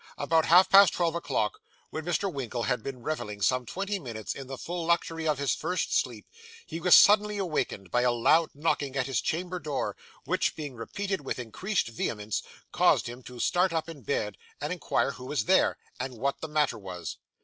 About half past twelve o'clock, when Mr. Winkle had been revelling some twenty minutes in the full luxury of his first sleep, he was suddenly awakened by a loud knocking at his chamber door, which, being repeated with increased vehemence, caused him to start up in bed, and inquire who was there, and what the matter was.